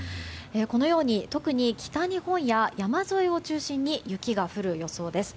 このように特に北日本や山沿いを中心に雪が降る予想です。